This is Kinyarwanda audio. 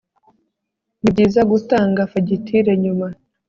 ni byiza gutanga fagitire nyuma